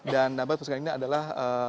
dan nama pasukan ini adalah